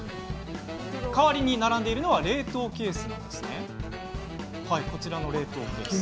代わりに並んでいるのは冷凍ケース。